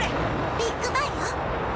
ビッグバンよ。